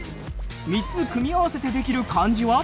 ３つ組み合わせてできる漢字は？